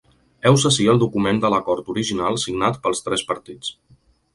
Heus ací el document de l’acord original signat pels tres partits.